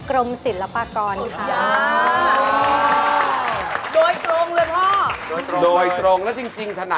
กรมศิลปกรณ์ค่ะ